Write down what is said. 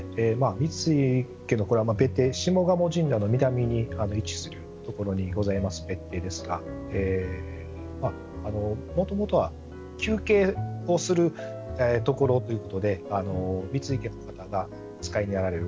三井家の別邸下鴨神社の南に位置するところにございます別邸ですがもともとは休憩をするところということで三井家の方がお使いになられる。